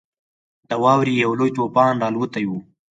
د واورې یو لوی طوفان راالوتی وو.